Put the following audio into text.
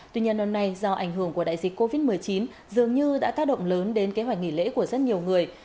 tuy nhiên năm nay do ảnh hưởng của đại dịch covid một mươi chín dường như đã tác động lớn đến kế hoạch nghỉ lễ của rất nhiều người